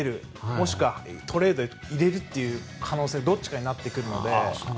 もしくはトレードでいれる可能性のどちらかになっていくので。